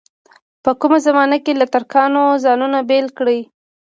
په کومه زمانه کې له ترکانو ځانونه بېل کړي.